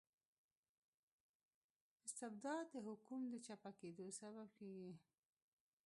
استبداد د حکوم د چپه کیدو سبب کيږي.